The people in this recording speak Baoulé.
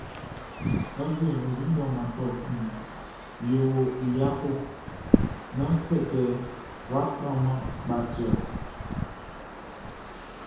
Ô Wiégoun Mʼdôman Torh Siʼn nouh, yo y yako...Nan sékê, wa tranman pka tiorh.